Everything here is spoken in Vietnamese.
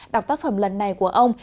đọc tác phẩm lần này của ông